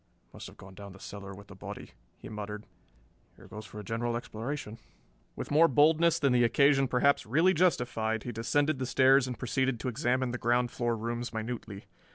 "Must have gone down the cellar with the body," he muttered. "Here goes for a general exploration." With more boldness than the occasion perhaps really justified he descended the stairs and proceeded to examine the ground floor rooms minutely.